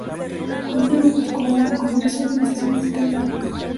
Underwood colabora con varias organizaciones de caridad.